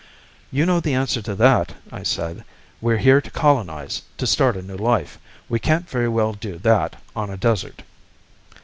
"You know the answer to that," I said. "We're here to colonize, to start a new life. We can't very well do that on a desert."